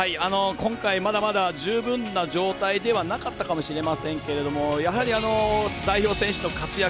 今回、まだまだ十分な状態ではなかったかもしれませんけどもやはり、代表選手の活躍